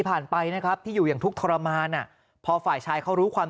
ไปนะครับที่อยู่อย่างทุกข์ทรมานอ่ะพอฝ่ายชายเขารู้ความ